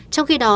trong khi đó